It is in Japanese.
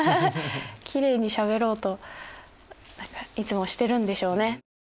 キレイに喋ろうといつもしてるんでしょうね。